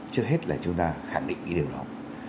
trước hết là chúng ta khẳng định cái điều đó